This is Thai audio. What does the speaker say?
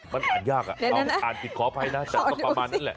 มันอ่านยากอ่านผิดขออภัยนะแต่ก็ประมาณนั้นแหละ